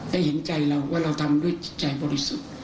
เห็นใจเราว่าเราทำด้วยจิตใจบริสุทธิ์